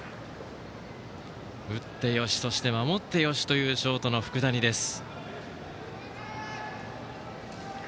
打ってよし守ってよしというショートの福谷です。